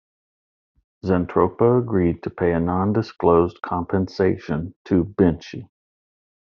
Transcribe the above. Zentropa agreed to pay a non-disclosed compensation to Binchy.